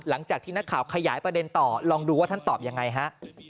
หลังจากที่นักข่าวขยายประเด็นต่อลองดูว่าท่านตอบยังไงฮะ